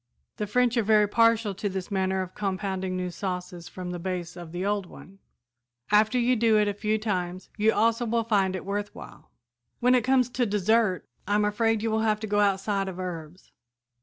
The French are very partial to this manner of compounding new sauces from the base of the old one. After you do it a few times you also will find it worth while. [Illustration: Popular Adjustable Row Marker] "When it comes to a dessert I am afraid you will have to go outside of herbs.